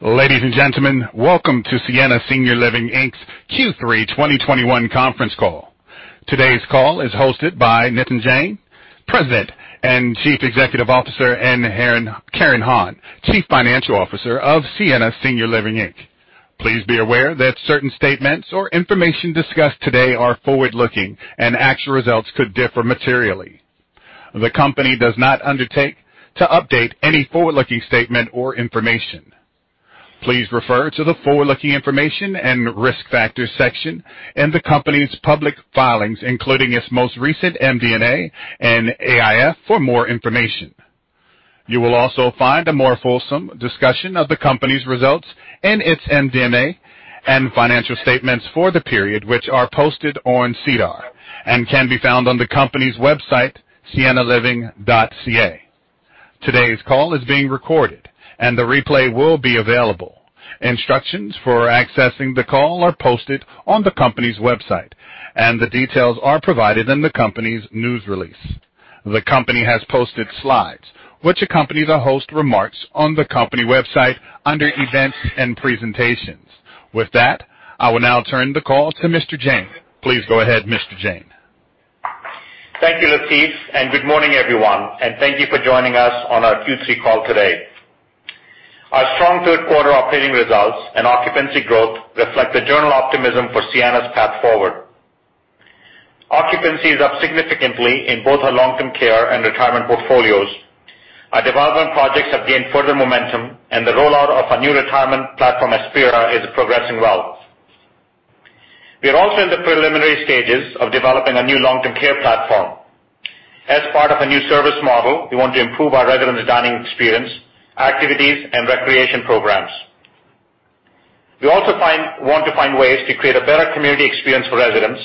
Ladies and gentlemen, welcome to Sienna Senior Living Inc's Q3 2021 conference call. Today's call is hosted by Nitin Jain, President and Chief Executive Officer, and Karen Hon, Chief Financial Officer of Sienna Senior Living Inc. Please be aware that certain statements or information discussed today are forward-looking and actual results could differ materially. The company does not undertake to update any forward-looking statement or information. Please refer to the forward-looking information and risk factors section in the company's public filings, including its most recent MD&A and AIF for more information. You will also find a more fulsome discussion of the company's results in its MD&A and financial statements for the period, which are posted on SEDAR and can be found on the company's website, siennaliving.ca. Today's call is being recorded and the replay will be available. Instructions for accessing the call are posted on the company's website and the details are provided in the company's news release. The company has posted slides which accompany the host remarks on the company website under events and presentations. With that, I will now turn the call to Mr. Jain. Please go ahead, Mr. Jain. Thank you, Latif, and good morning, everyone, and thank you for joining us on our Q3 call today. Our strong third quarter operating results and occupancy growth reflect the general optimism for Sienna's path forward. Occupancy is up significantly in both our long-term care and retirement portfolios. Our development projects have gained further momentum and the rollout of our new retirement platform, Aspira, is progressing well. We are also in the preliminary stages of developing a new long-term care platform. As part of a new service model, we want to improve our residents' dining experience, activities, and recreation programs. We also want to find ways to create a better community experience for residents,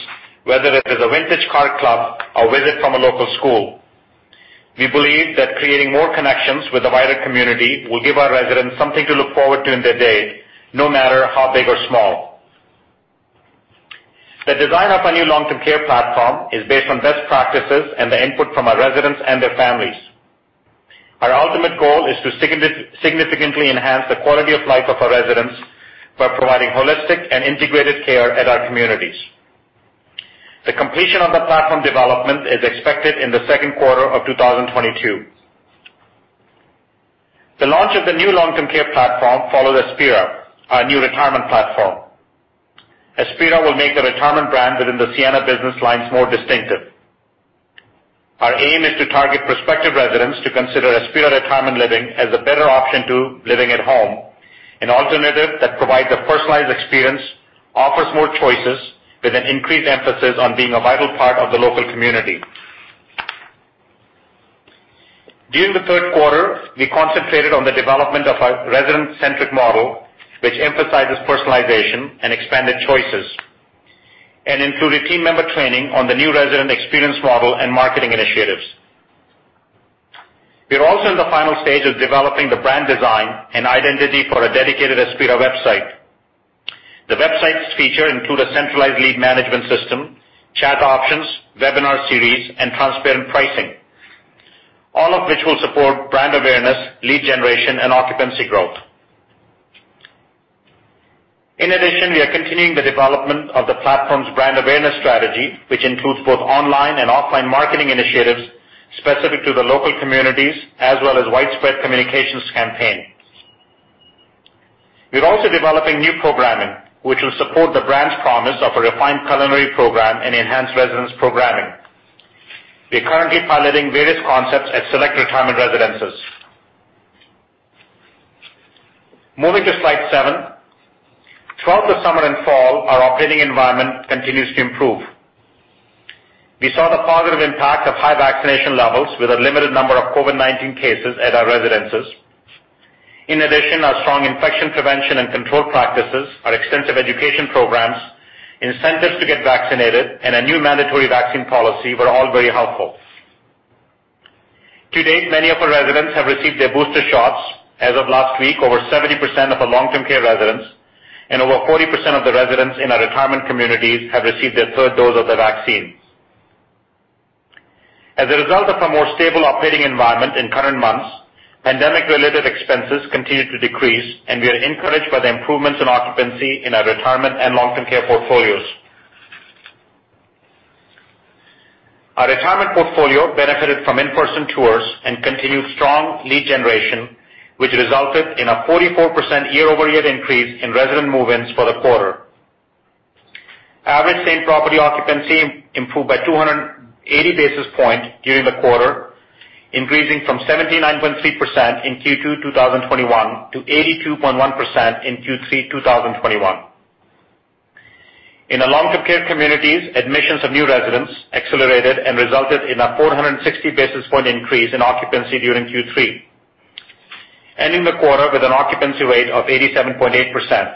whether it is a vintage car club or visit from a local school. We believe that creating more connections with the wider community will give our residents something to look forward to in their day, no matter how big or small. The design of our new long-term care platform is based on best practices and the input from our residents and their families. Our ultimate goal is to significantly enhance the quality of life of our residents by providing holistic and integrated care at our communities. The completion of the platform development is expected in the Q2 of 2022. The launch of the new long-term care platform follows Aspira, our new retirement platform. Aspira will make the retirement brand within the Sienna business lines more distinctive. Our aim is to target prospective residents to consider Aspira retirement living as a better option to living at home, an alternative that provides a personalized experience, offers more choices with an increased emphasis on being a vital part of the local community. During the Q3, we concentrated on the development of our resident-centric model, which emphasizes personalization and expanded choices, and included team member training on the new resident experience model and marketing initiatives. We're also in the final stage of developing the brand design and identity for a dedicated Aspira website. The website's features include a centralized lead management system, chat options, webinar series, and transparent pricing, all of which will support brand awareness, lead generation, and occupancy growth. In addition, we are continuing the development of the platform's brand awareness strategy, which includes both online and offline marketing initiatives specific to the local communities as well as widespread communications campaigns. We're also developing new programming, which will support the brand's promise of a refined culinary program and enhanced residence programming. We are currently piloting various concepts at select retirement residences. Moving to slide 7. Throughout the summer and fall, our operating environment continues to improve. We saw the positive impact of high vaccination levels with a limited number of COVID-19 cases at our residences. In addition, our strong infection prevention and control practices, our extensive education programs, incentives to get vaccinated, and a new mandatory vaccine policy were all very helpful. To date, many of our residents have received their booster shots. As of last week, over 70% of our long-term care residents and over 40% of the residents in our retirement communities have received their third dose of the vaccines. As a result of a more stable operating environment in current months, pandemic-related expenses continue to decrease, and we are encouraged by the improvements in occupancy in our retirement and long-term care portfolios. Our retirement portfolio benefited from in-person tours and continued strong lead generation, which resulted in a 44% year-over-year increase in resident move-ins for the quarter. Average same-property occupancy improved by 280 basis points during the quarter, increasing from 79.3% in Q2 2021 to 82.1% in Q3 2021. In the long-term care communities, admissions of new residents accelerated and resulted in a 460 basis point increase in occupancy during Q3, ending the quarter with an occupancy rate of 87.8%,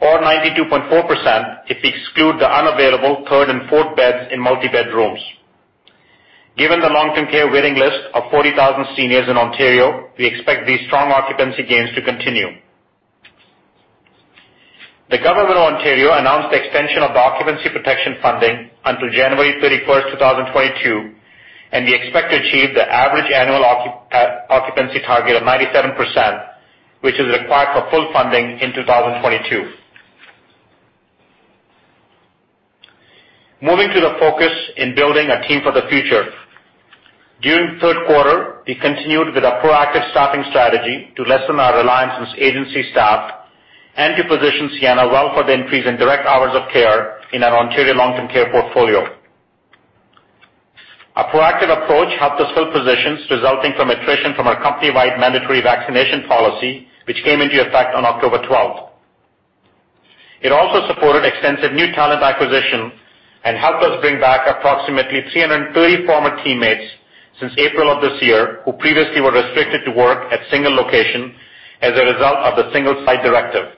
or 92.4% if we exclude the unavailable third and fourth beds in multi-bed rooms. Given the long-term care waiting list of 40,000 seniors in Ontario, we expect these strong occupancy gains to continue. The Government of Ontario announced the extension of the occupancy protection funding until January 31, 2022, and we expect to achieve the average annual occupancy target of 97%, which is required for full funding in 2022. Moving to the focus in building a team for the future. During the Q3, we continued with a proactive staffing strategy to lessen our reliance on agency staff and to position Sienna well for the increase in direct hours of care in our Ontario long-term care portfolio. Our proactive approach helped us fill positions resulting from attrition from our company-wide mandatory vaccination policy, which came into effect on October 12. It also supported extensive new talent acquisition and helped us bring back approximately 330 former teammates since April of this year who previously were restricted to work at single location as a result of the single site directive.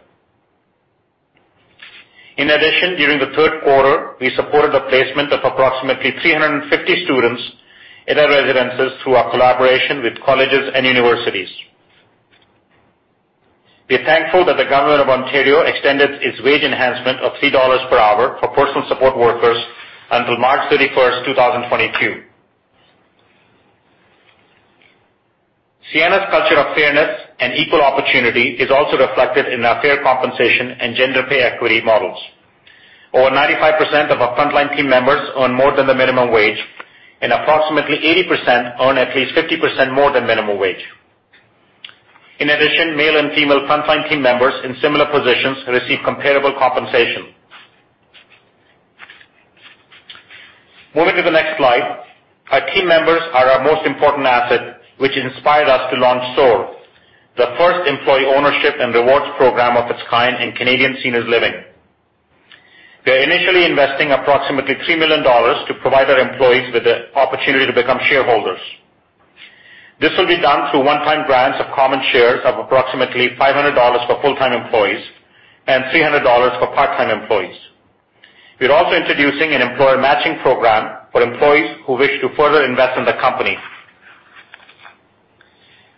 In addition, during the Q3, we supported the placement of approximately 350 students in our residences through our collaboration with colleges and universities. We are thankful that the Government of Ontario extended its wage enhancement of 3 dollars per hour for personal support workers until March 31, 2022. Sienna's culture of fairness and equal opportunity is also reflected in our fair compensation and gender pay equity models. Over 95% of our frontline team members earn more than the minimum wage, and approximately 80% earn at least 50% more than minimum wage. In addition, male and female frontline team members in similar positions receive comparable compensation. Moving to the next slide. Our team members are our most important asset, which inspired us to launch SOAR, the first employee ownership and rewards program of its kind in Canadian seniors living. We're initially investing approximately 3 million dollars to provide our employees with the opportunity to become shareholders. This will be done through one-time grants of common shares of approximately 500 dollars for full-time employees and 300 dollars for part-time employees. We're also introducing an employer matching program for employees who wish to further invest in the company.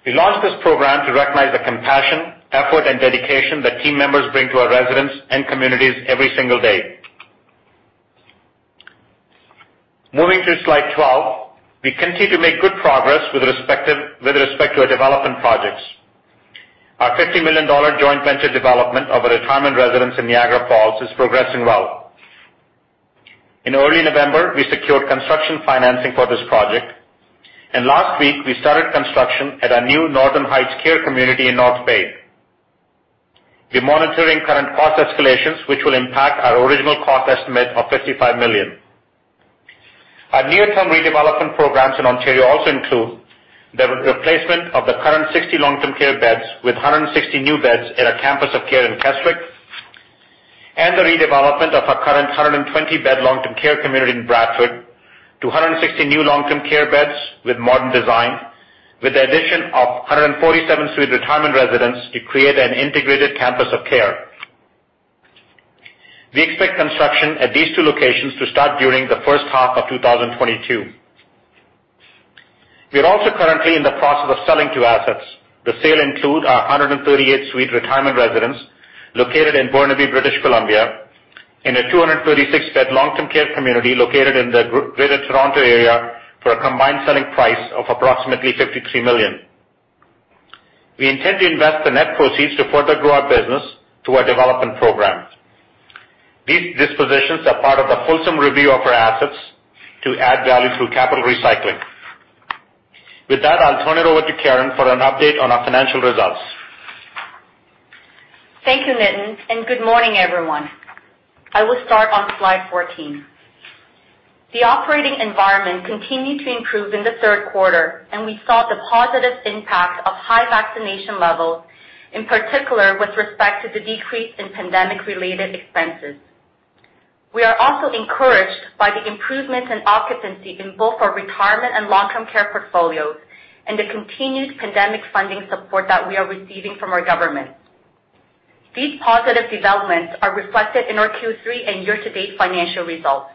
We launched this program to recognize the compassion, effort, and dedication that team members bring to our residents and communities every single day. Moving to slide 12. We continue to make good progress with respect to our development projects. Our 50 million dollar joint venture development of a retirement residence in Niagara Falls is progressing well. In early November, we secured construction financing for this project, and last week, we started construction at our new Northern Heights care community in North Bay. We're monitoring current cost escalations, which will impact our original cost estimate of 55 million. Our near-term redevelopment programs in Ontario also include the replacement of the current 60 long-term care beds with 160 new beds at our campus of care in Keswick and the redevelopment of our current 120-bed long-term care community in Bradford to 160 new long-term care beds with modern design, with the addition of a 147-suite retirement residence to create an integrated campus of care. We expect construction at these two locations to start during the H1 of 2022. We are also currently in the process of selling two assets. The sale include our 138-suite retirement residence located in Burnaby, British Columbia, and a 236-bed long-term care community located in the Greater Toronto area for a combined selling price of approximately 53 million. We intend to invest the net proceeds to further grow our business through our development programs. These dispositions are part of a fulsome review of our assets to add value through capital recycling. With that, I'll turn it over to Karen for an update on our financial results. Thank you, Nitin, and good morning, everyone. I will start on slide 14. The operating environment continued to improve in the Q3, and we saw the positive impact of high vaccination levels, in particular with respect to the decrease in pandemic-related expenses. We are also encouraged by the improvements in occupancy in both our retirement and long-term care portfolios and the continued pandemic funding support that we are receiving from our government. These positive developments are reflected in our Q3 and year-to-date financial results.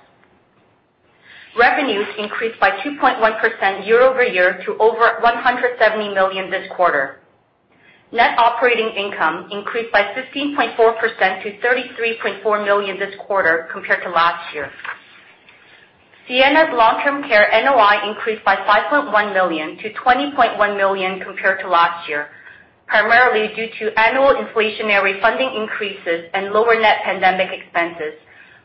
Revenues increased by 2.1% year-over-year to over 170 million this quarter. Net operating income increased by 15.4% to 33.4 million this quarter compared to last year. Sienna's long-term care NOI increased by 5.1 million to 20.1 million compared to last year, primarily due to annual inflationary funding increases and lower net pandemic expenses,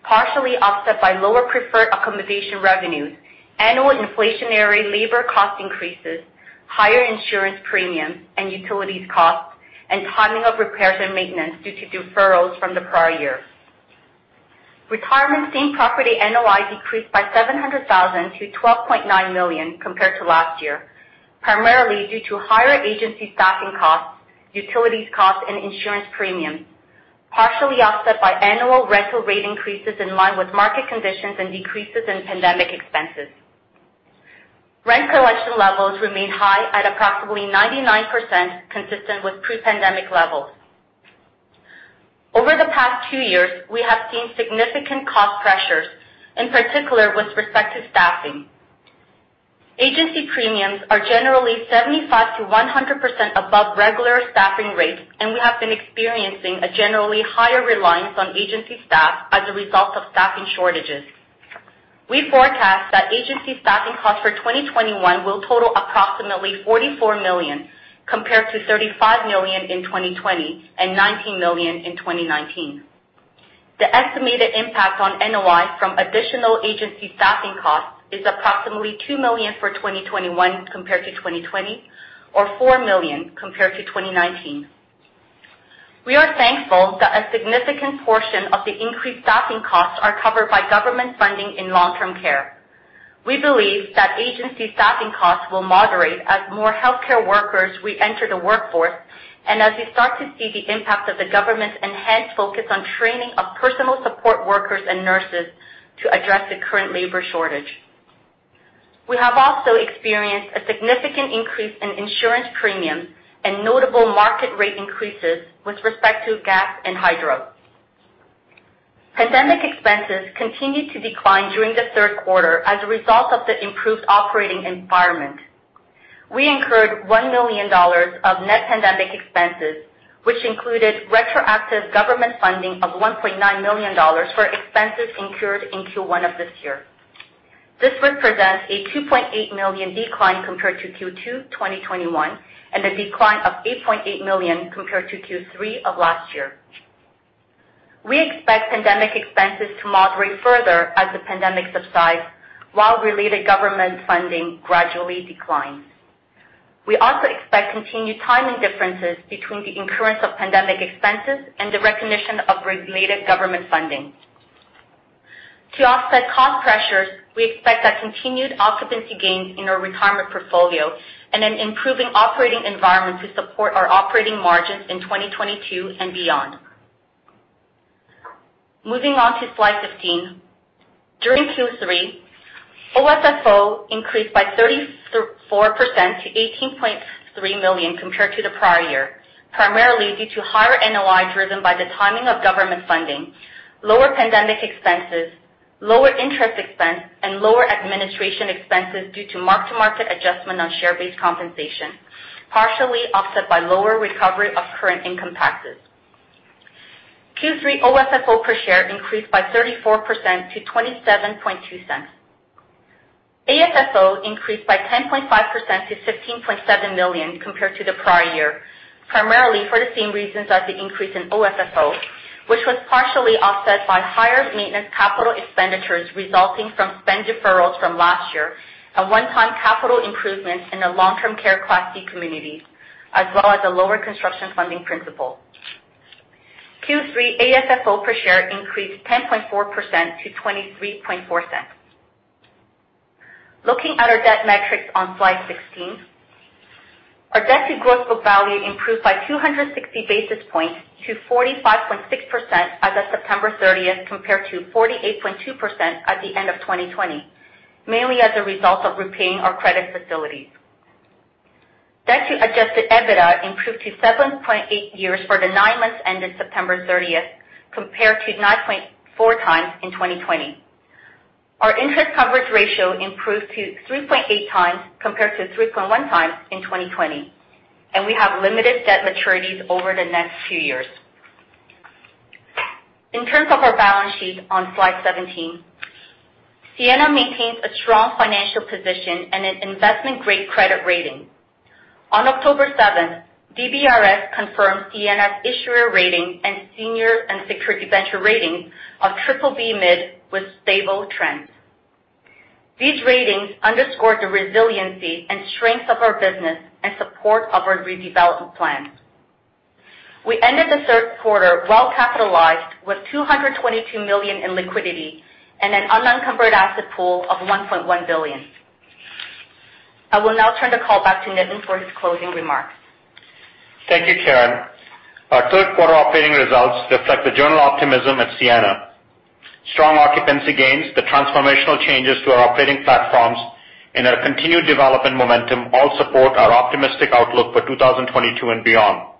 partially offset by lower preferred accommodation revenues, annual inflationary labor cost increases, higher insurance premiums and utilities costs, and timing of repairs and maintenance due to deferrals from the prior year. Retirement same-property NOI decreased by 700,000 to 12.9 million compared to last year, primarily due to higher agency staffing costs, utilities costs, and insurance premiums, partially offset by annual rental rate increases in line with market conditions and decreases in pandemic expenses. Rent collection levels remain high at approximately 99%, consistent with pre-pandemic levels. Over the past two years, we have seen significant cost pressures, in particular with respect to staffing. Agency premiums are generally 75%-100% above regular staffing rates, and we have been experiencing a generally higher reliance on agency staff as a result of staffing shortages. We forecast that agency staffing costs for 2021 will total approximately 44 million compared to 35 million in 2020 and 19 million in 2019. The estimated impact on NOI from additional agency staffing costs is approximately 2 million for 2021 compared to 2020 or 4 million compared to 2019. We are thankful that a significant portion of the increased staffing costs are covered by government funding in long-term care. We believe that agency staffing costs will moderate as more healthcare workers re-enter the workforce and as we start to see the impact of the government's enhanced focus on training of personal support workers and nurses to address the current labor shortage. We have also experienced a significant increase in insurance premiums and notable market rate increases with respect to gas and hydro. Pandemic expenses continued to decline during the Q3 as a result of the improved operating environment. We incurred 1 million dollars of net pandemic expenses, which included retroactive government funding of 1.9 million dollars for expenses incurred in Q1 of this year. This represents a 2.8 million decline compared to Q2 2021 and a decline of 8.8 million compared to Q3 of last year. We expect pandemic expenses to moderate further as the pandemic subsides while related government funding gradually declines. We also expect continued timing differences between the incurrence of pandemic expenses and the recognition of related government funding. To offset cost pressures, we expect a continued occupancy gain in our retirement portfolio and an improving operating environment to support our operating margins in 2022 and beyond. Moving on to slide 15. During Q3, OSFO increased by 34% to 18.3 million compared to the prior year, primarily due to higher NOI driven by the timing of government funding, lower pandemic expenses, lower interest expense, and lower administration expenses due to mark-to-market adjustment on share-based compensation, partially offset by lower recovery of current income taxes. Q3 OSFO per share increased by 34% to 0.272. ASFO increased by 10.5% to 15.7 million compared to the prior year, primarily for the same reasons as the increase in OSFO, which was partially offset by higher maintenance capital expenditures resulting from spend deferrals from last year and one-time capital improvements in the long-term care Class D communities, as well as a lower construction funding principal. Q3 ASFO per share increased 10.4% to 0.234. Looking at our debt metrics on slide 16. Our debt to gross book value improved by 260 basis points to 45.6% as of September 30th compared to 48.2% at the end of 2020, mainly as a result of repaying our credit facilities. Debt to adjusted EBITDA improved to 7.8 years for the nine months ended September 30th compared to 9.4x in 2020. Our interest coverage ratio improved to 3.8x compared to 3.1x in 2020, and we have limited debt maturities over the next two years. In terms of our balance sheet on slide 17, Sienna maintains a strong financial position and an investment-grade credit rating. On October 7, DBRS confirmed Sienna's issuer rating and senior and secured debenture ratings of BBB (mid) with stable trends. These ratings underscore the resiliency and strength of our business in support of our redevelopment plan. We ended the Q3 well-capitalized with 222 million in liquidity and an unencumbered asset pool of 1.1 billion. I will now turn the call back to Nitin for his closing remarks. Thank you, Karen. Our Q3 operating results reflect the general optimism at Sienna. Strong occupancy gains, the transformational changes to our operating platforms, and our continued development momentum all support our optimistic outlook for 2022 and beyond.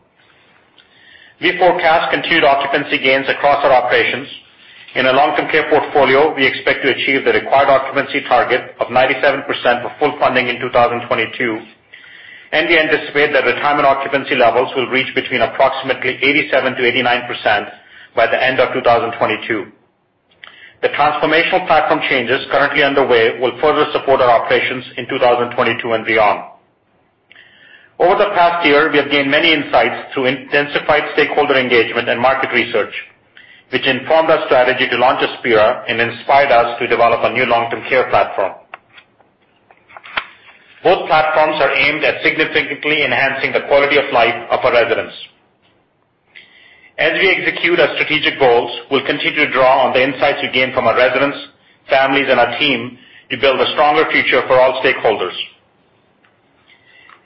We forecast continued occupancy gains across our operations. In our long-term care portfolio, we expect to achieve the required occupancy target of 97% for full funding in 2022, and we anticipate that retirement occupancy levels will reach between approximately 87%-89% by the end of 2022. The transformational platform changes currently underway will further support our operations in 2022 and beyond. Over the past year, we have gained many insights through intensified stakeholder engagement and market research, which informed our strategy to launch Aspira and inspired us to develop a new long-term care platform. Both platforms are aimed at significantly enhancing the quality of life of our residents. As we execute our strategic goals, we'll continue to draw on the insights we gain from our residents, families, and our team to build a stronger future for all stakeholders.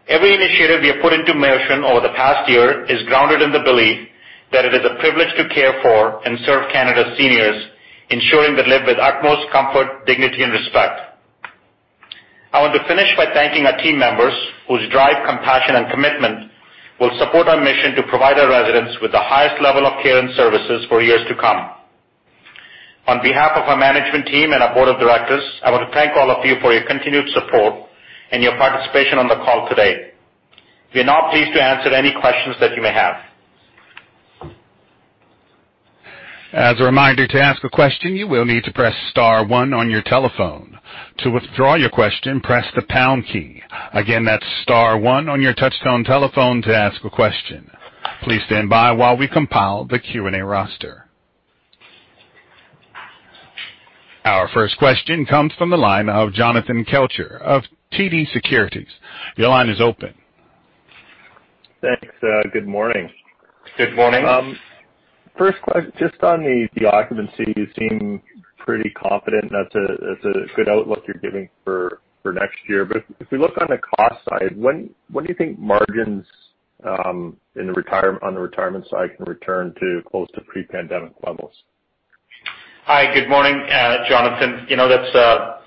Every initiative we have put into motion over the past year is grounded in the belief that it is a privilege to care for and serve Canada's seniors, ensuring they live with utmost comfort, dignity, and respect. I want to finish by thanking our team members whose drive, compassion, and commitment will support our mission to provide our residents with the highest level of care and services for years to come. On behalf of our management team and our board of directors, I want to thank all of you for your continued support and your participation on the call today. We're now pleased to answer any questions that you may have. As a reminder, to ask a question, you will need to press star one on your telephone. To withdraw your question, press the pound key. Again, that's star one on your touchtone telephone to ask a question. Please stand by while we compile the Q&A roster. Our first question comes from the line of Jonathan Kelcher of TD Securities. Your line is open. Thanks. Good morning. Good morning. Just on the occupancy, you seem pretty confident that's a good outlook you're giving for next year. If we look on the cost side, when do you think margins in the retirement side can return to close to pre-pandemic levels? Hi, good morning, Jonathan. You know, that's,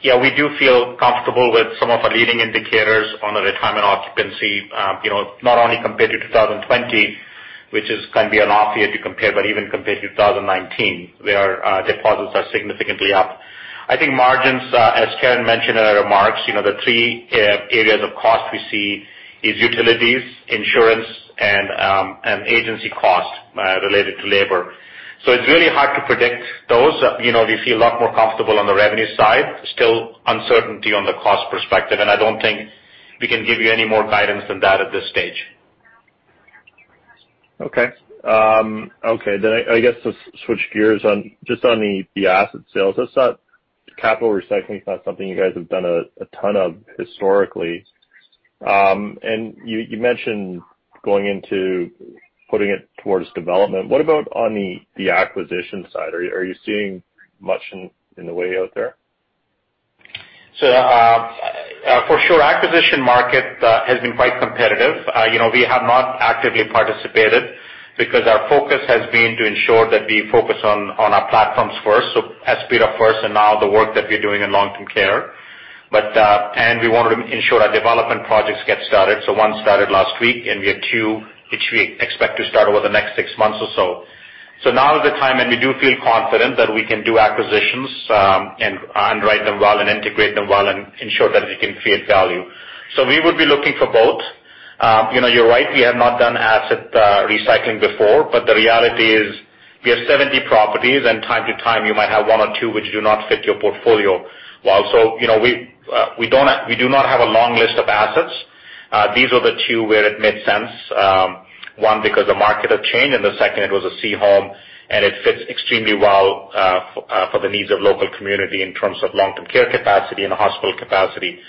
yeah, we do feel comfortable with some of our leading indicators on the retirement occupancy, you know, not only compared to 2020, which is gonna be an off year to compare, but even compared to 2019, where our deposits are significantly up. I think margins, as Karen mentioned in her remarks, you know, the three areas of cost we see is utilities, insurance, and agency costs related to labor. It's really hard to predict those. You know, we feel a lot more comfortable on the revenue side. There's still uncertainty on the cost perspective, and I don't think we can give you any more guidance than that at this stage. I guess to switch gears on just on the asset sales. Capital recycling is not something you guys have done a ton of historically. You mentioned going into putting it towards development. What about on the acquisition side? Are you seeing much in the way out there? For sure, acquisition market has been quite competitive. You know, we have not actively participated because our focus has been to ensure that we focus on our platforms first. Aspira first and now the work that we're doing in long-term care. We wanted to ensure our development projects get started, so 1 started last week, and we have two which we expect to start over the next six months or so. Now is the time, and we do feel confident that we can do acquisitions, and underwrite them well and integrate them well and ensure that we can create value. We would be looking for both. You know, you're right, we have not done asset recycling before, but the reality is we have 70 properties, and from time to time you might have one or two which do not fit your portfolio well. You know, we do not have a long list of assets. These are the two where it made sense. One, because the market had changed, and the second it was a C home, and it fits extremely well for the needs of local community in terms of long-term care capacity and hospital capacity.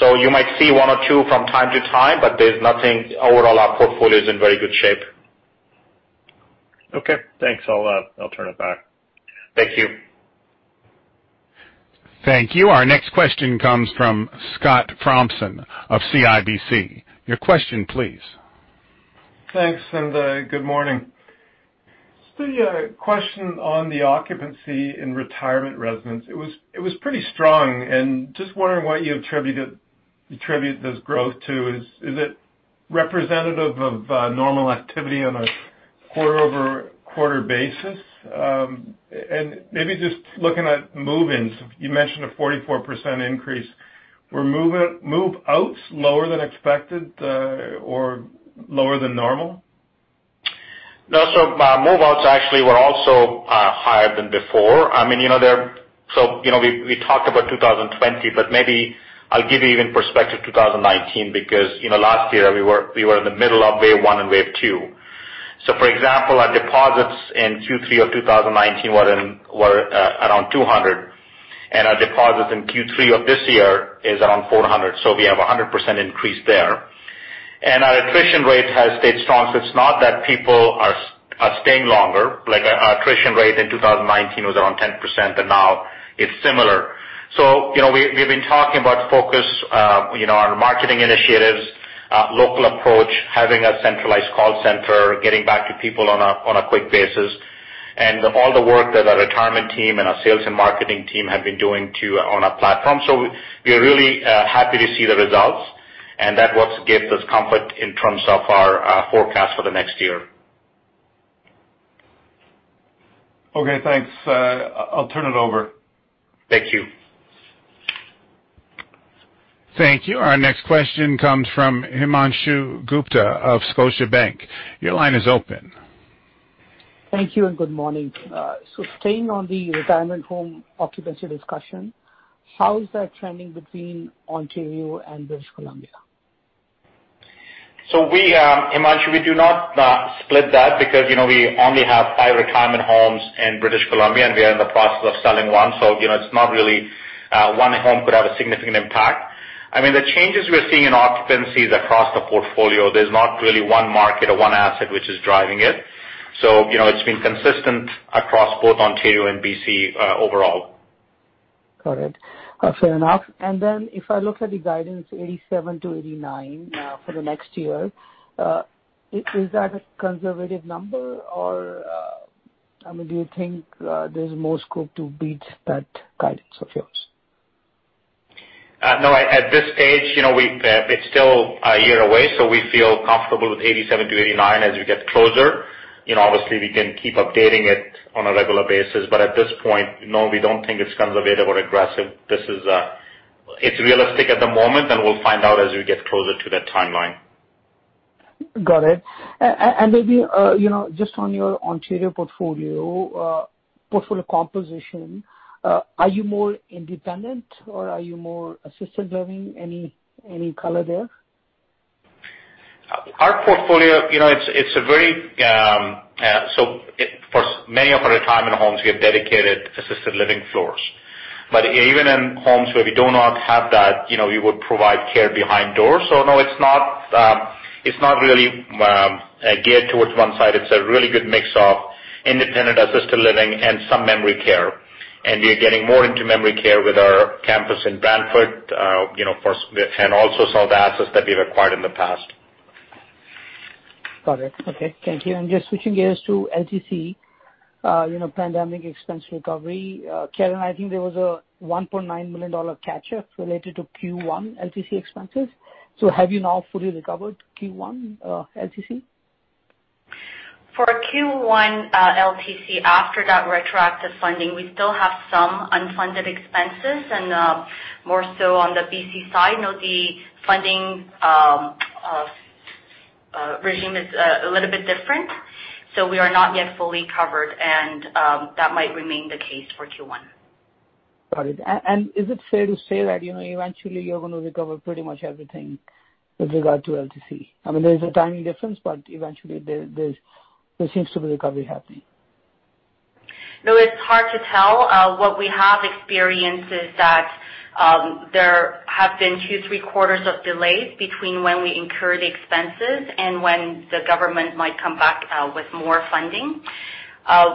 You might see one or two from time to time, but there's nothing. Overall, our portfolio is in very good shape. Okay. Thanks. I'll turn it back. Thank you. Thank you. Our next question comes from Scott Thompson of CIBC. Your question, please. Thanks, good morning. Just a question on the occupancy in retirement residence. It was pretty strong. Just wondering what you attribute this growth to. Is it representative of normal activity on a quarter-over-quarter basis? Maybe just looking at move-ins, you mentioned a 44% increase. Were move-outs lower than expected, or lower than normal? No. Move outs actually were also higher than before. I mean, you know, they're. You know, we talked about 2020, but maybe I'll give you even perspective 2019, because, you know, last year we were in the middle of wave one and wave two. For example, our deposits in Q3 of 2019 were around 200, and our deposits in Q3 of this year is around 400. We have a 100% increase there. Our attrition rate has stayed strong, so it's not that people are staying longer. Like our attrition rate in 2019 was around 10%, and now it's similar. You know, we've been talking about focus, you know, on marketing initiatives, local approach, having a centralized call center, getting back to people on a quick basis. All the work that our retirement team and our sales and marketing team have been doing on our platform. We're really happy to see the results and that's what gives us comfort in terms of our forecast for the next year. Okay, thanks. I'll turn it over. Thank you. Thank you. Our next question comes from Himanshu Gupta of Scotiabank. Your line is open. Thank you and good morning. Staying on the retirement home occupancy discussion, how is that trending between Ontario and British Columbia? We, Himanshu, we do not split that because, you know, we only have five retirement homes in British Columbia, and we are in the process of selling one. You know, it's not really one home could have a significant impact. I mean, the changes we're seeing in occupancy is across the portfolio. There's not really one market or one asset which is driving it. You know, it's been consistent across both Ontario and BC, overall. Got it. Fair enough. If I look at the guidance 87-89 for the next year, is that a conservative number or, I mean, do you think there's more scope to beat that guidance of yours? No. At this stage, you know, it's still a year away, so we feel comfortable with 87%-89%. As we get closer, you know, obviously we can keep updating it on a regular basis. At this point, no, we don't think it's conservative or aggressive. This is, it's realistic at the moment, and we'll find out as we get closer to that timeline. Got it. Maybe, you know, just on your Ontario portfolio composition, are you more independent or are you more assisted living? Any color there? Our portfolio, you know. First, many of our retirement homes, we have dedicated assisted living floors. Even in homes where we do not have that, you know, we would provide care behind doors. No, it's not really geared towards one side. It's a really good mix of independent assisted living and some memory care. We are getting more into memory care with our campus in Brantford, you know, and also some of the assets that we've acquired in the past. Got it. Okay. Thank you. Just switching gears to LTC, you know, pandemic expense recovery. Karen, I think there was a 1.9 million dollar catch-up related to Q1 LTC expenses. Have you now fully recovered Q1 LTC? For Q1, LTC, after that retroactive funding, we still have some unfunded expenses, and more so on the BC side. You know, the funding regime is a little bit different, so we are not yet fully covered, and that might remain the case for Q1. Got it. Is it fair to say that, you know, eventually you're gonna recover pretty much everything with regard to LTC? I mean, there's a timing difference, but eventually there seems to be recovery happening. No, it's hard to tell. What we have experienced is that there have been 2-3 quarters of delays between when we incur the expenses and when the government might come back with more funding.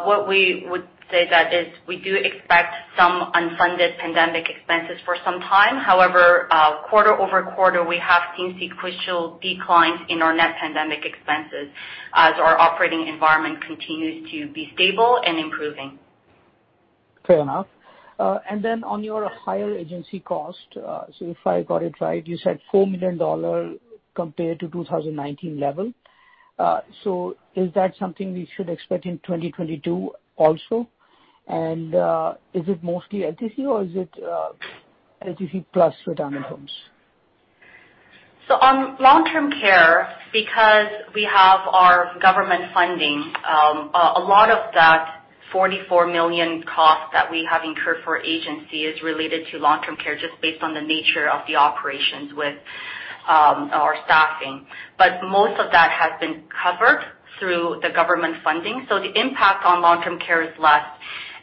What we would say that is we do expect some unfunded pandemic expenses for some time. However, quarter-over-quarter, we have seen sequential declines in our net pandemic expenses as our operating environment continues to be stable and improving. Fair enough. On your higher agency cost, so if I got it right, you said 4 million dollar compared to 2019 level. Is that something we should expect in 2022 also? Is it mostly LTC or is it LTC plus retirement homes? On long-term care, because we have our government funding, a lot of that 44 million cost that we have incurred for agency is related to long-term care just based on the nature of the operations with our staffing. Most of that has been covered through the government funding, so the impact on long-term care is less.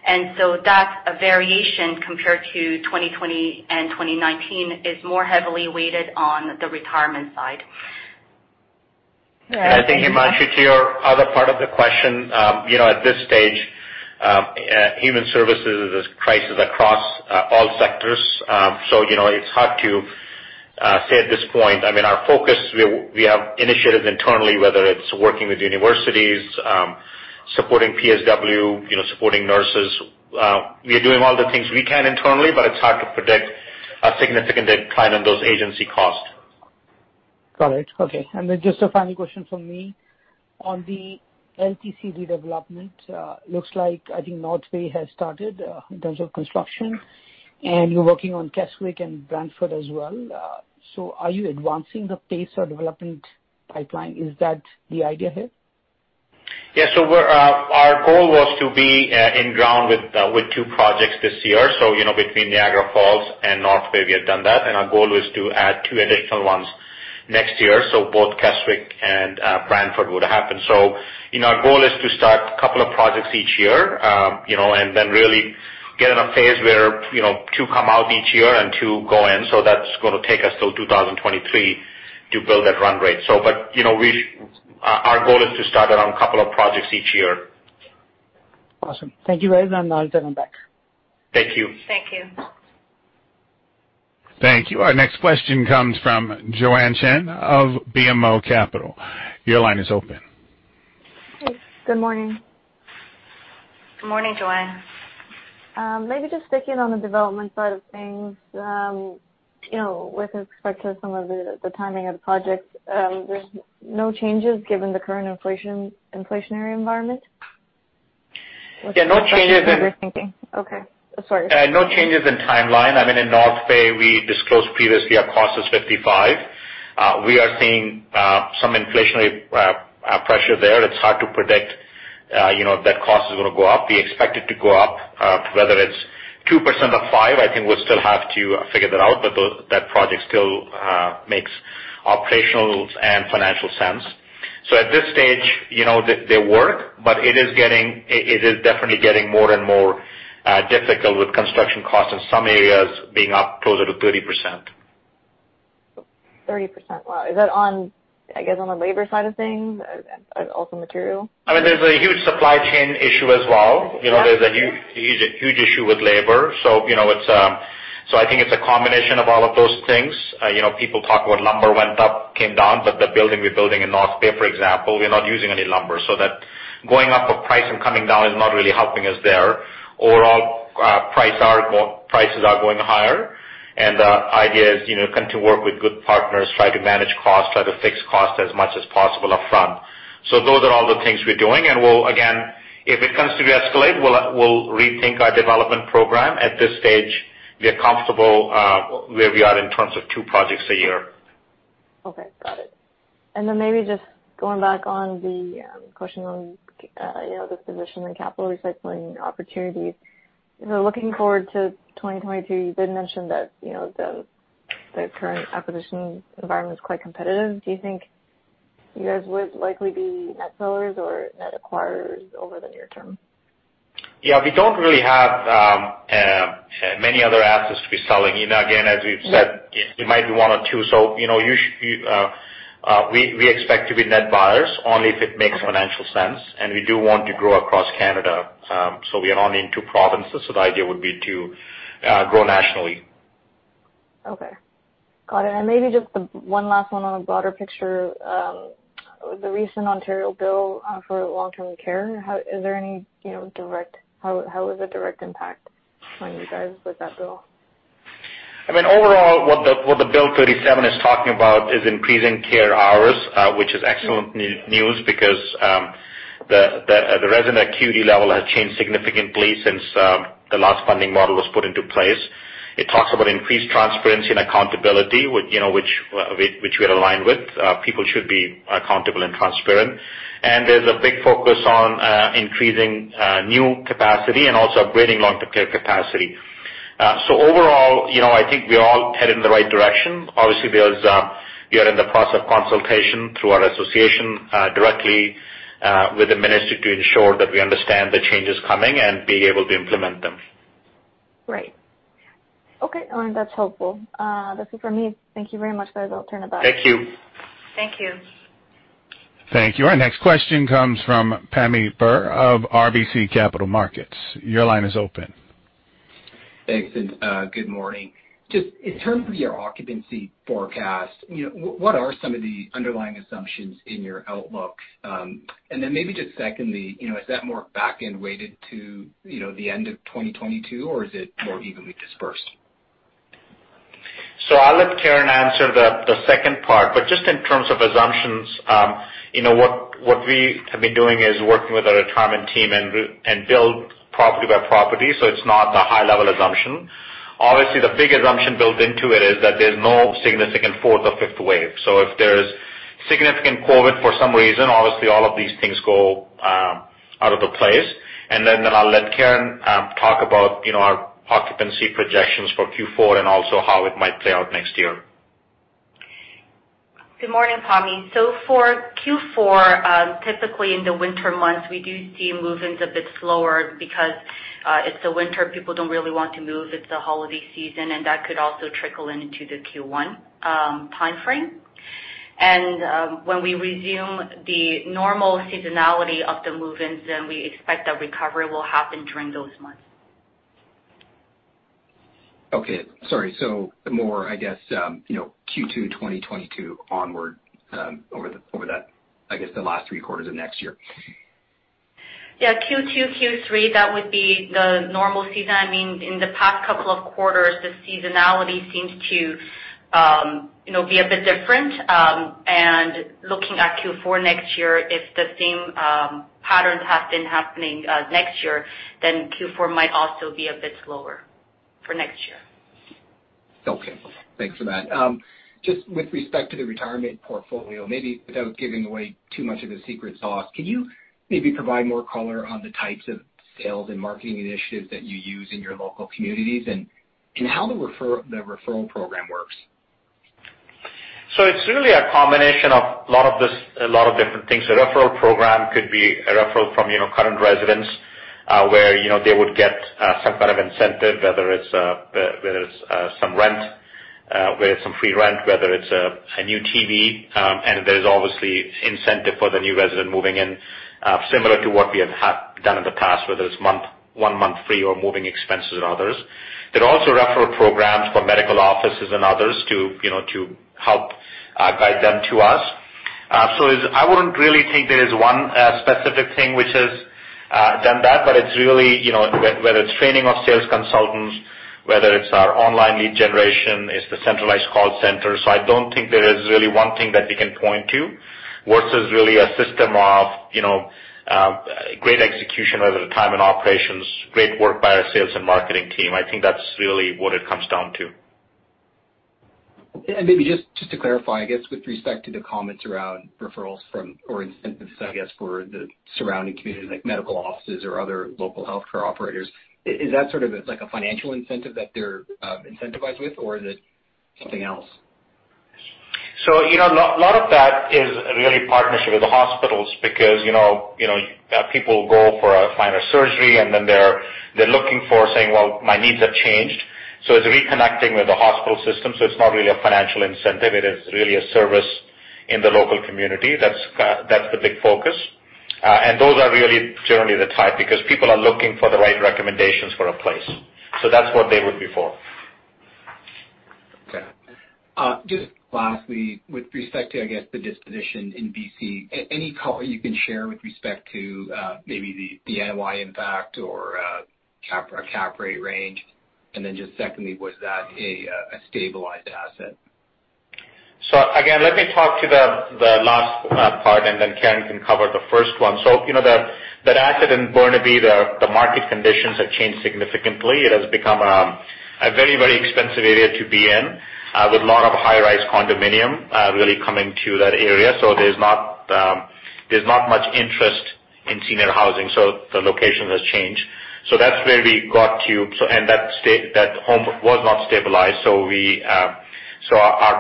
That variation compared to 2020 and 2019 is more heavily weighted on the retirement side. I think, Himanshu, to your other part of the question, you know, at this stage, human services is a crisis across all sectors. You know, it's hard to say at this point. I mean, our focus, we have initiatives internally, whether it's working with universities, supporting PSW, you know, supporting nurses. We are doing all the things we can internally, but it's hard to predict a significant decline in those agency costs. Got it. Okay. Just a final question from me. On the LTC redevelopment, looks like I think North Bay has started, in terms of construction, and you're working on Keswick and Brantford as well. Are you advancing the pace or development pipeline? Is that the idea here? Our goal was to be in ground with two projects this year. You know, between Niagara Falls and North Bay, we have done that. Our goal is to add two additional ones next year, so both Keswick and Brantford would happen. You know, our goal is to start a couple of projects each year, you know, and then really get in a phase where, you know, two come out each year and two go in, so that's gonna take us till 2023 to build that run rate. You know, our goal is to start around a couple of projects each year. Awesome. Thank you guys, and I'll turn back. Thank you. Thank you. Thank you. Our next question comes from Joanne Chen of BMO Capital. Your line is open. Good morning. Good morning, Joanne. Maybe just sticking on the development side of things, you know, with respect to some of the timing of the projects, there's no changes given the current inflationary environment? Yeah, no changes. Okay. Sorry. No changes in timeline. I mean, in North Bay, we disclosed previously our cost is 55. We are seeing some inflationary pressure there. It's hard to predict, you know, that cost is gonna go up. We expect it to go up. Whether it's 2% or 5%, I think we'll still have to figure that out, but that project still makes operational and financial sense. So at this stage, you know, they work, but it is definitely getting more and more difficult with construction costs in some areas being up closer to 30%. 30%. Wow. Is that on, I guess, on the labor side of things? Also material? I mean, there's a huge supply chain issue as well. You know, there's a huge issue with labor. You know, it's so I think it's a combination of all of those things. You know, people talk about lumber went up, came down, but the building we're building in North Bay, for example, we're not using any lumber. So going up in price and coming down is not really helping us there. Overall, prices are going higher, and the idea is, you know, continue to work with good partners, try to manage costs, try to fix costs as much as possible upfront. Those are all the things we're doing, and we'll again, if it comes to de-escalate, we'll rethink our development program. At this stage, we are comfortable where we are in terms of two projects a year. Okay, got it. Maybe just going back on the question on, you know, the position and capital recycling opportunity. You know, looking forward to 2022, you did mention that, you know, the current acquisition environment is quite competitive. Do you think you guys would likely be net sellers or net acquirers over the near term? Yeah. We don't really have many other assets to be selling. You know, again, as we've said, it might be one or two. You know, we expect to be net buyers only if it makes financial sense. We do want to grow across Canada, so we are only in two provinces, so the idea would be to grow nationally. Okay. Got it. Maybe just the one last one on a broader picture. The recent Ontario Bill for long-term care, is there any, you know, direct impact on you guys with that bill? I mean, overall, what the Bill 37 is talking about is increasing care hours, which is excellent news because the resident acuity level has changed significantly since the last funding model was put into place. It talks about increased transparency and accountability, which, you know, we are aligned with. People should be accountable and transparent. There's a big focus on increasing new capacity and also upgrading long-term care capacity. Overall, you know, I think we all headed in the right direction. Obviously, we are in the process of consultation through our association directly with the minister to ensure that we understand the changes coming and being able to implement them. Right. Okay. That's helpful. That's it for me. Thank you very much, guys. I'll turn it back. Thank you. Thank you. Thank you. Our next question comes from Pammi Bir of RBC Capital Markets. Your line is open. Thanks, and good morning. Just in terms of your occupancy forecast, you know, what are some of the underlying assumptions in your outlook? And then maybe just secondly, you know, is that more back-end weighted to, you know, the end of 2022, or is it more evenly dispersed? I'll let Karen answer the second part, but just in terms of assumptions, you know, what we have been doing is working with our retirement team and rebuild property by property, so it's not a high level assumption. Obviously, the big assumption built into it is that there's no significant fourth or fifth wave. If there's significant COVID for some reason, obviously all of these things go out the window. Then I'll let Karen talk about, you know, our occupancy projections for Q4 and also how it might play out next year. Good morning, Pammi. For Q4, typically in the winter months, we do see move-ins a bit slower because it's the winter. People don't really want to move. It's the holiday season, and that could also trickle into the Q1 timeframe. When we resume the normal seasonality of the move-ins, then we expect that recovery will happen during those months. Okay. Sorry. More, I guess, you know, Q2 2022 onward, over that, I guess, the last three quarters of next year. Yeah. Q2, Q3, that would be the normal season. I mean, in the past couple of quarters, the seasonality seems to, you know, be a bit different. Looking at Q4 next year, if the same patterns have been happening next year, then Q4 might also be a bit slower for next year. Okay. Thanks for that. Just with respect to the retirement portfolio, maybe without giving away too much of the secret sauce, can you maybe provide more color on the types of sales and marketing initiatives that you use in your local communities and how the referral program works? It's really a combination of a lot of this, a lot of different things. A referral program could be a referral from, you know, current residents, where, you know, they would get some kind of incentive, whether it's some rent, whether it's some free rent, whether it's a new TV, and there's obviously incentive for the new resident moving in, similar to what we have done in the past, whether it's one month free or moving expenses and others. There are also referral programs for medical offices and others to, you know, to help guide them to us. I wouldn't really think there is one specific thing which has done that, but it's really, you know, whether it's training of sales consultants, whether it's our online lead generation, it's the centralized call center. I don't think there is really one thing that we can point to versus really a system of, you know, great execution over the time and operations, great work by our sales and marketing team. I think that's really what it comes down to. Maybe just to clarify, I guess, with respect to the comments around referrals from or incentives, I guess, for the surrounding communities like medical offices or other local healthcare operators, is that sort of, it's like a financial incentive that they're incentivized with, or is it something else? You know, a lot of that is really a partnership with the hospitals because you know, people go for a minor surgery, and then they're looking, saying, "Well, my needs have changed." It's reconnecting with the hospital system, so it's not really a financial incentive. It is really a service in the local community. That's the big focus. Those are really generally the type because people are looking for the right recommendations for a place. That's what they would be for. Just lastly, with respect to, I guess, the disposition in BC, any color you can share with respect to, maybe the NOI impact or cap rate range. Just secondly, was that a stabilized asset? Again, let me talk to the last part, and then Karen Hon can cover the first one. You know, that asset in Burnaby, the market conditions have changed significantly. It has become a very expensive area to be in, with a lot of high-rise condominium really coming to that area. There's not much interest in senior housing. The location has changed. That's where we got to. And that home was not stabilized. Our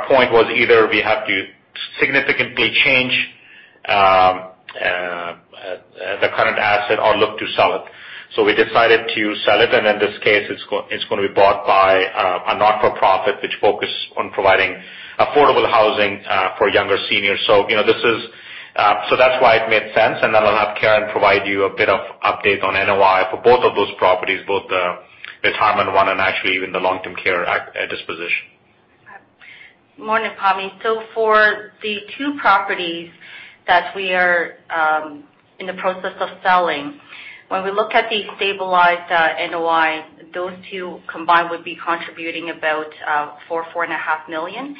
point was either we have to significantly change the current asset or look to sell it. We decided to sell it, and in this case, it's gonna be bought by a not-for-profit which focus on providing affordable housing for younger seniors. You know, this is. That's why it made sense. I'll have Karen provide you a bit of update on NOI for both of those properties, both retirement one and actually even the long-term care at disposition. Morning, Pammi. For the two properties that we are in the process of selling, when we look at the stabilized NOI, those two combined would be contributing about 4.5 million.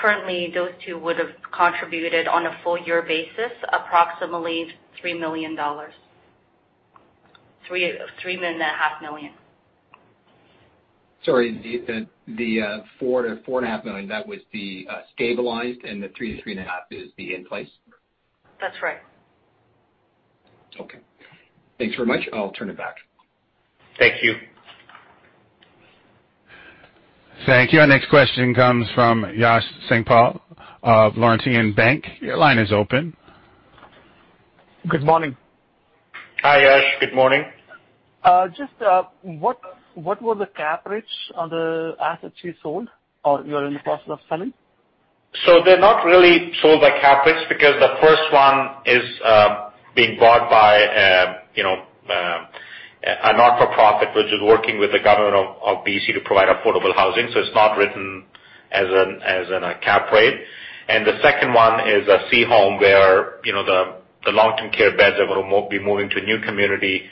Currently those two would've contributed on a full year basis, approximately 3 million dollars. 3.5 million. Sorry, 4 million-4.5 million, that was the stabilized and the 3 million-3.5 million is the in-place? That's right. Okay. Thanks very much. I'll turn it back. Thank you. Thank you. Our next question comes from Yash Sankpal of Laurentian Bank. Your line is open. Good morning. Hi, Yash. Good morning. Just, what were the cap rates on the assets you sold or you are in the process of selling? They're not really sold by cap rates because the first one is being bought by you know a not-for-profit, which is working with the government of BC to provide affordable housing. It's not written as an cap rate. The second one is a C home where you know the long-term care beds that will be moving to a new community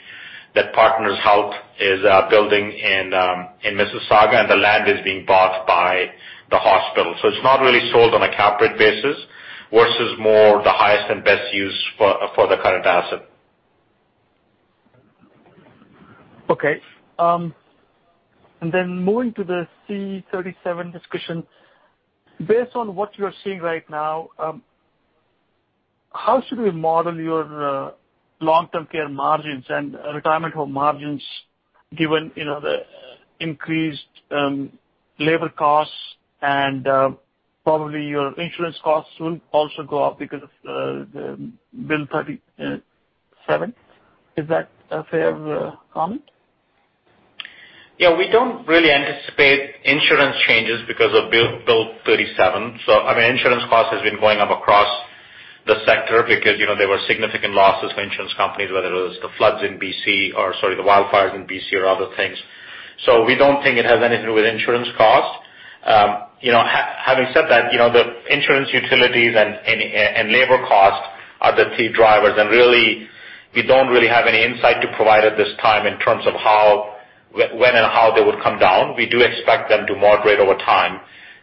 that Partners Community Health is building in Mississauga, and the land is being bought by the hospital. It's not really sold on a cap rate basis versus more the highest and best use for the current asset. Okay. Moving to the Bill 37 discussion. Based on what you are seeing right now, how should we model your long-term care margins and retirement home margins given, you know, the increased labor costs and probably your insurance costs will also go up because of the Bill 37? Is that a fair comment? Yeah. We don't really anticipate insurance changes because of Bill 37. I mean, insurance costs has been going up across the sector because, you know, there were significant losses for insurance companies, whether it was the floods in B.C. or the wildfires in B.C. or other things. We don't think it has anything to do with insurance costs. You know, having said that, you know, the insurance, utilities and labor costs are the key drivers. Really, we don't really have any insight to provide at this time in terms of how, when and how they would come down. We do expect them to moderate over time.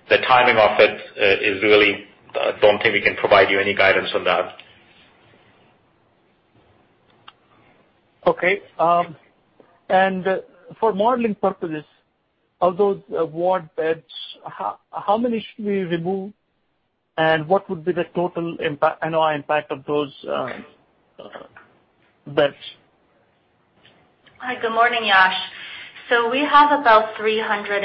The timing of it is really. We don't think we can provide you any guidance on that. Okay. For modeling purposes, of those ward beds, how many should we remove, and what would be the total impact, NOI impact of those beds? Hi. Good morning, Yash. We have about 300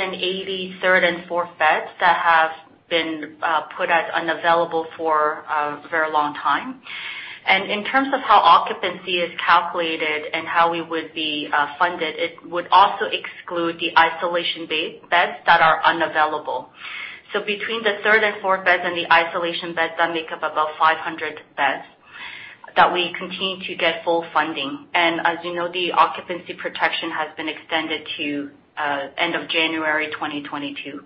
third and fourth beds that have been put as unavailable for a very long time. In terms of how occupancy is calculated and how we would be funded, it would also exclude the isolation bay-beds that are unavailable. Between the third and fourth beds and the isolation beds, that make up about 500 beds that we continue to get full funding. As you know, the occupancy protection has been extended to end of January 2022.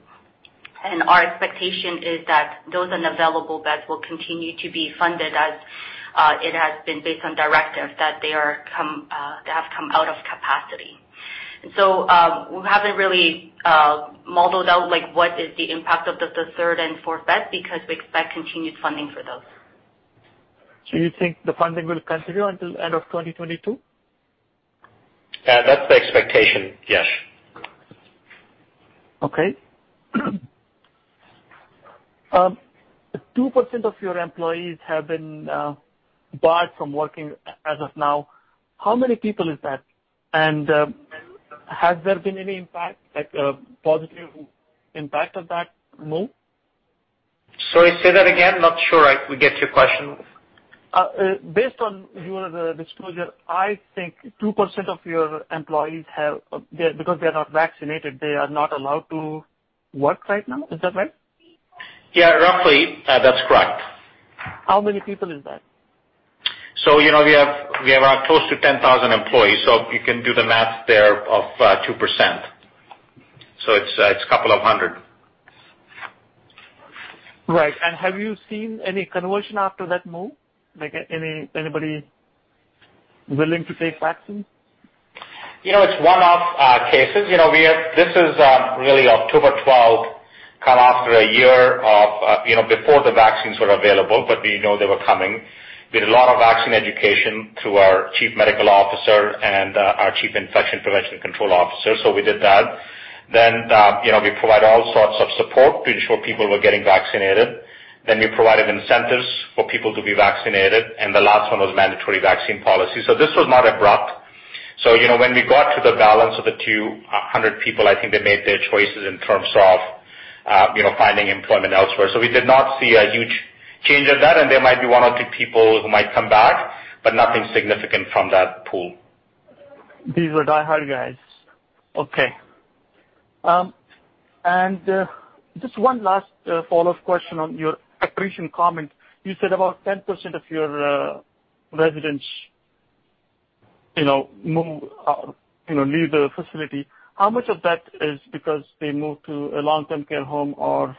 Our expectation is that those unavailable beds will continue to be funded as it has been based on directives that they have come out of capacity. We haven't really modeled out like what is the impact of the third and fourth bed because we expect continued funding for those. You think the funding will continue until end of 2022? Yeah, that's the expectation, Yash. Okay. 2% of your employees have been barred from working as of now. How many people is that? Has there been any impact, like a positive impact of that move? Sorry, say that again. Not sure I could get your question. Based on your disclosure, I think 2% of your employees, because they're not vaccinated, they are not allowed to work right now. Is that right? Yeah. Roughly, that's correct. How many people is that? You know, we have close to 10,000 employees, so you can do the math there of 2%. It's a couple of hundred. Right. Have you seen any conversion after that move? Like anybody willing to take vaccine? You know, it's one-off cases. You know, this is really October 12 coming after a year of you know, before the vaccines were available, but we know they were coming. We had a lot of vaccine education through our Chief Medical Officer and our Chief Infection Prevention Control Officer. We did that. You know, we provided all sorts of support to ensure people were getting vaccinated. We provided incentives for people to be vaccinated, and the last one was mandatory vaccine policy. This was not abrupt. You know, when we got to the balance of the 200 people, I think they made their choices in terms of you know, finding employment elsewhere. We did not see a huge change of that. There might be one or two people who might come back, but nothing significant from that pool. These were diehard guys. Okay. Just one last follow-up question on your attrition comment. You said about 10% of your residents, you know, move, you know, leave the facility. How much of that is because they move to a long-term care home or,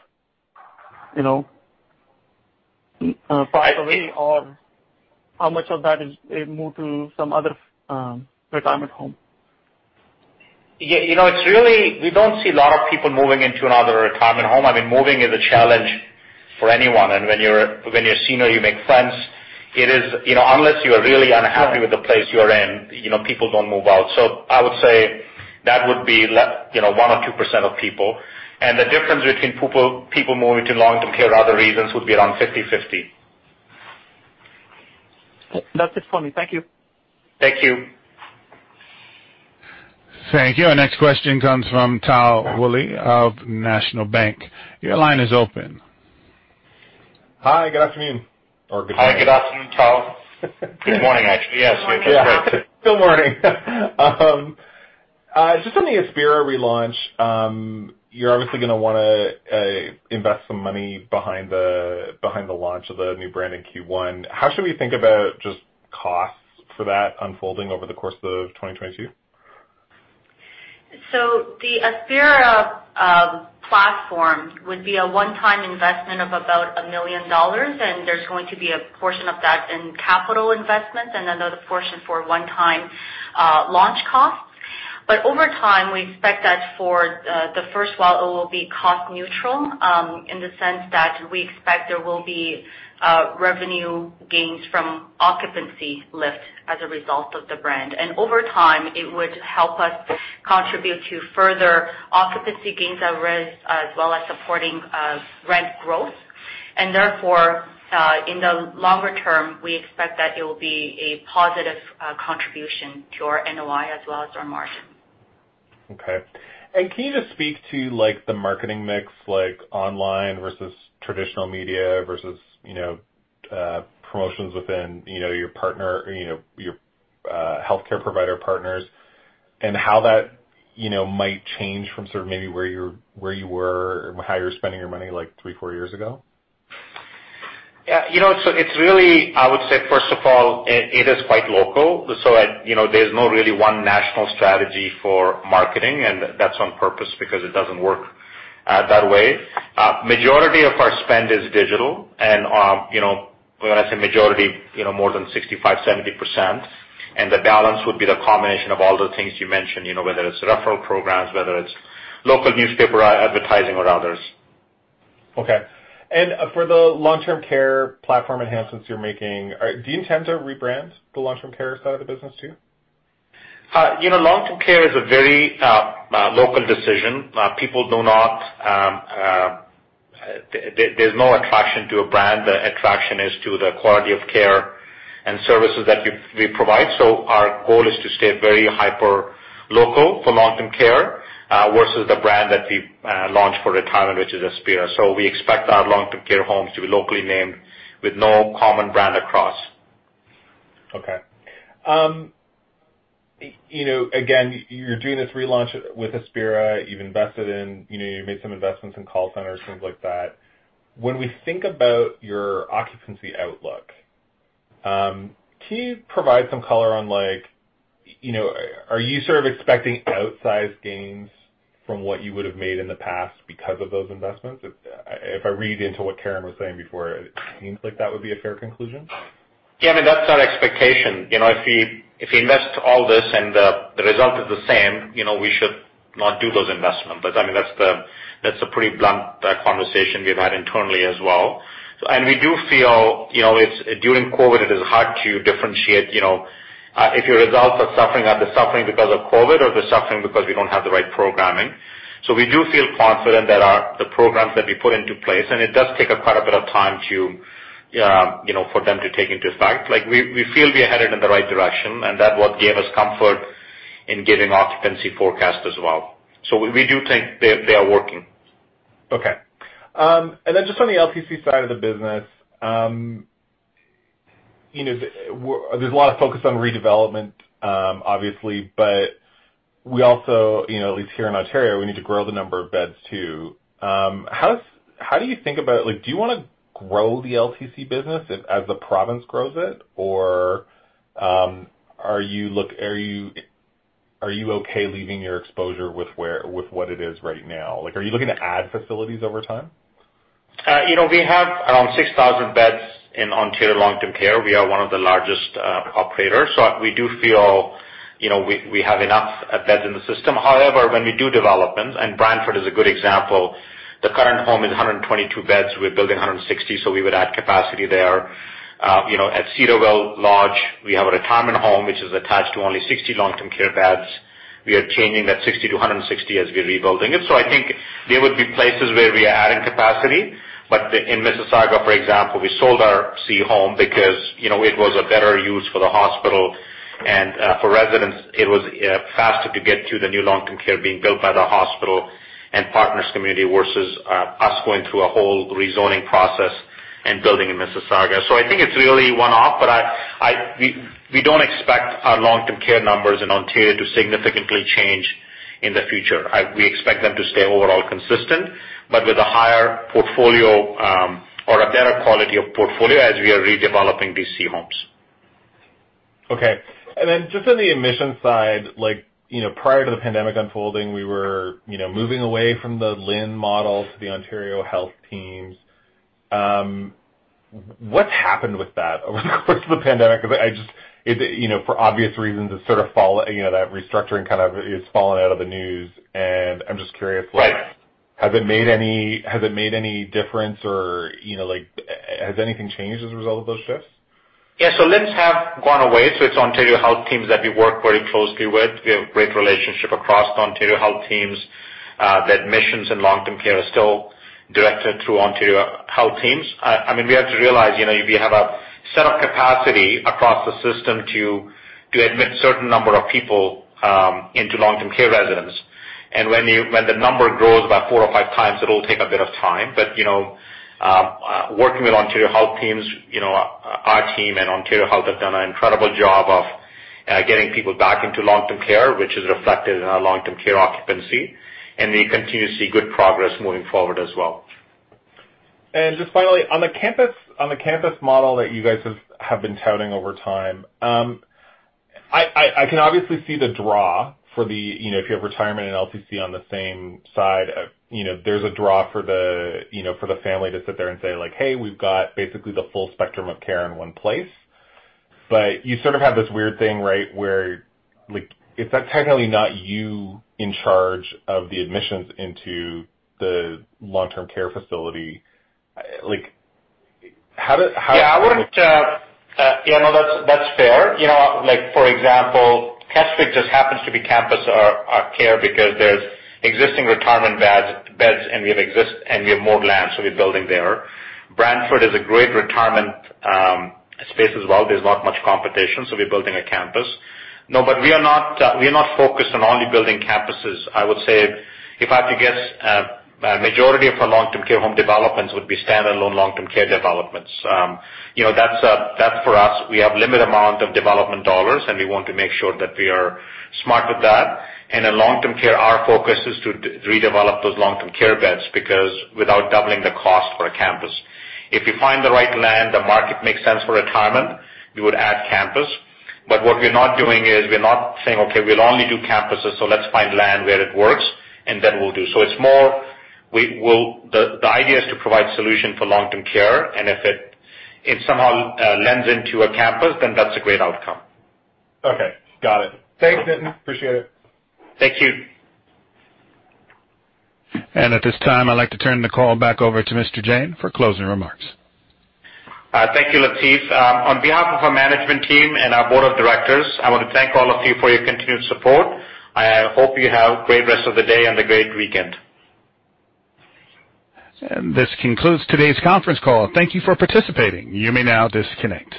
you know, privately or how much of that is moved to some other retirement home? We don't see a lot of people moving into another retirement home. I mean, moving is a challenge for anyone. When you're a senior, you make friends. It is, you know, unless you are really unhappy with the place you are in, you know, people don't move out. I would say that would be you know, 1% or 2% of people. The difference between people moving to long-term care or other reasons would be around 50/50. That's it for me. Thank you. Thank you. Thank you. Our next question comes from Tal Woolley of National Bank. Your line is open. Hi. Good afternoon or good morning. Hi. Good afternoon, Tal. Good morning, actually. Yes, we just- Yeah. Good morning. Just on the Aspira relaunch, you're obviously gonna wanna invest some money behind the launch of the new brand in Q1. How should we think about just costs for that unfolding over the course of 2022? The Aspira platform would be a one-time investment of about 1 million dollars, and there's going to be a portion of that in capital investment and another portion for one-time launch costs. Over time, we expect that for the first while it will be cost neutral, in the sense that we expect there will be revenue gains from occupancy lift as a result of the brand. Over time, it would help us contribute to further occupancy gains at risk as well as supporting rent growth. Therefore, in the longer term, we expect that it will be a positive contribution to our NOI as well as our margin. Okay. Can you just speak to, like, the marketing mix, like online versus traditional media versus, you know, promotions within, you know, your partner, you know, your healthcare provider partners, and how that, you know, might change from sort of maybe where you were or how you were spending your money, like, three, four years ago? Yeah. You know, it's really, I would say, first of all, it is quite local. You know, there's really no one national strategy for marketing, and that's on purpose because it doesn't work that way. Majority of our spend is digital and, you know, when I say majority, you know, more than 65-70%, and the balance would be the combination of all the things you mentioned, you know, whether it's referral programs, whether it's local newspaper advertising or others. Okay. For the long-term care platform enhancements you're making, do you intend to rebrand the long-term care side of the business too? You know, long-term care is a very local decision. There's no attraction to a brand. The attraction is to the quality of care and services that we provide. Our goal is to stay very hyper local for long-term care versus the brand that we launched for retirement, which is Aspira. We expect our long-term care homes to be locally named with no common brand across. Okay. You know, again, you're doing this relaunch with Aspira. You've invested in, you know, you made some investments in call centers, things like that. When we think about your occupancy outlook, can you provide some color on, like, you know, are you sort of expecting outsized gains from what you would've made in the past because of those investments? If I read into what Karen was saying before, it seems like that would be a fair conclusion. Yeah. I mean, that's our expectation. You know, if we invest all this and the result is the same, you know, we should not do those investments. I mean, that's a pretty blunt conversation we've had internally as well. We do feel, you know, it's during COVID, it is hard to differentiate, you know, if your results are suffering, are they suffering because of COVID or they're suffering because we don't have the right programming. We do feel confident that our programs that we put into place, and it does take quite a bit of time to, you know, for them to take into effect. Like we feel we are headed in the right direction, and that's what gave us comfort in giving occupancy forecast as well. We do think they are working. Okay. Then just on the LTC side of the business, you know, there's a lot of focus on redevelopment, obviously. We also, you know, at least here in Ontario, we need to grow the number of beds too. How do you think about it? Like, do you wanna grow the LTC business as the province grows it? Or, are you okay leaving your exposure with what it is right now? Like, are you looking to add facilities over time? You know, we have around 6,000 beds in Ontario long-term care. We are one of the largest operators. We do feel, you know, we have enough beds in the system. However, when we do developments, and Brantford is a good example, the current home is 122 beds. We're building 160, so we would add capacity there. You know, at Cedarvale Lodge, we have a retirement home, which is attached to only 60 long-term care beds. We are changing that 60 to 160 as we're rebuilding it. I think there would be places where we are adding capacity, but in Mississauga, for example, we sold our C home because, you know, it was a better use for the hospital. For residents, it was faster to get to the new long-term care being built by the hospital and Partners Community versus us going through a whole rezoning process and building in Mississauga. I think it's really one-off, but we don't expect our long-term care numbers in Ontario to significantly change in the future. We expect them to stay overall consistent, but with a higher portfolio, or a better quality of portfolio as we are redeveloping these C homes. Okay. Then just on the admission side, like, you know, prior to the pandemic unfolding, we were, you know, moving away from the LHIN model to the Ontario Health Teams. What's happened with that over the course of the pandemic? It, you know, for obvious reasons, it's sort of you know, that restructuring kind of is falling out of the news, and I'm just curious. Right. Has it made any difference or, you know, like, has anything changed as a result of those shifts? Yeah. LHINs have gone away, so it's Ontario Health Teams that we work very closely with. We have great relationship across Ontario Health Teams. The admissions and long-term care are still directed through Ontario Health Teams. I mean, we have to realize, you know, if you have a set of capacity across the system to admit certain number of people into long-term care residence, and when the number grows by 4x or 5x, it'll take a bit of time. Working with Ontario Health Teams, you know, our team and Ontario Health have done an incredible job of getting people back into long-term care, which is reflected in our long-term care occupancy, and we continue to see good progress moving forward as well. Just finally, on the campus model that you guys have been touting over time, I can obviously see the draw for the, you know, if you have retirement and LTC on the same side, you know, there's a draw for the, you know, for the family to sit there and say, like, "Hey, we've got basically the full spectrum of care in one place." You sort of have this weird thing, right, where, like, it's, like, technically not you in charge of the admissions into the long-term care facility. Like, how do, how- Yeah, no, that's fair. You know, like, for example, Keswick just happens to be campus care because there's existing retirement beds, and we have more land, so we're building there. Brantford is a great retirement space as well. There's not much competition, so we're building a campus. No, but we are not focused on only building campuses. I would say if I had to guess, a majority of our long-term care home developments would be standalone long-term care developments. You know, that's for us. We have limited amount of development dollars, and we want to make sure that we are smart with that. In long-term care, our focus is to redevelop those long-term care beds because without doubling the cost for a campus. If we find the right land, the market makes sense for retirement, we would add campus. What we're not doing is we're not saying, "Okay, we'll only do campuses, so let's find land where it works, and then we'll do." It's more we will. The idea is to provide solution for long-term care, and if it somehow lends into a campus, then that's a great outcome. Okay. Got it. Thanks, Nitin. Appreciate it. Thank you. At this time, I'd like to turn the call back over to Mr. Jain for closing remarks. Thank you, Latif. On behalf of our management team and our board of directors, I wanna thank all of you for your continued support. I hope you have a great rest of the day and a great weekend. This concludes today's conference call. Thank you for participating. You may now disconnect.